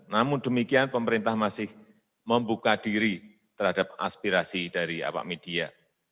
namun demikian pemerintah masih membuka diri terhadap aspirasi dari awak media